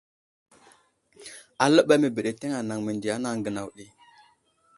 Aləɓay məbeɗeteŋ anaŋ mendiya anaŋ gənaw.